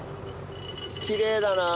きれいだな。